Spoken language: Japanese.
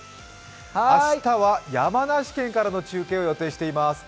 明日は山梨県からの中継を予定しています。